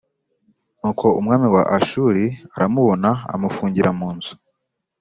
Nuko umwami wa Ashuri aramuboha amufungira mu nzu